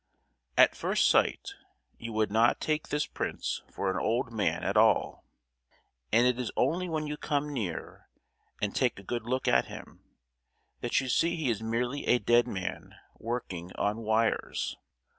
At first sight you would not take this prince for an old man at all, and it is only when you come near and take a good look at him, that you see he is merely a dead man working on wires.